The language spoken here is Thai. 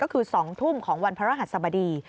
ก็คือ๒ทุ่มของวันพระรหัสสบดี